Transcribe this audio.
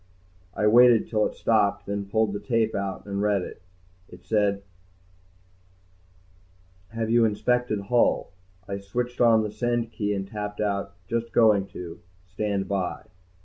I waited till it stopped, then pulled out the tape and read it. It said, HAVE YOU INSPECTED HULL? I switched on the send key and tapped out, JUST GOING TO. STAND BY.